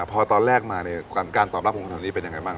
พอตอนแรกมาเนี่ยการตอบรับของแถวนี้เป็นยังไงบ้าง